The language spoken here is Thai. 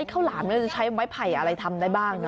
ข้าวหลามจะใช้ไม้ไผ่อะไรทำได้บ้างนะ